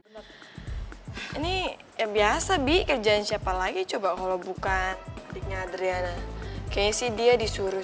hai ini ya biasa bik kerjaan siapa lagi coba kalau bukan adiknya adriana kek sih dia disuruh